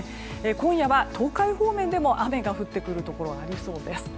今夜は東海方面でも雨が降ってくるところがありそうです。